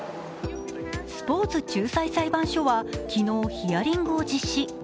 スポーツ仲裁裁判所は昨日ヒアリングを実施。